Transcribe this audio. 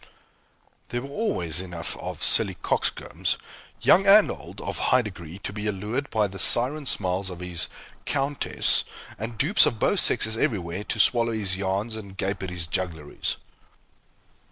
There were always enough of silly coxcombs, young and old, of high degree, to be allured by the siren smiles of his "Countess;" and dupes of both sexes everywhere, to swallow his yarns and gape at his juggleries.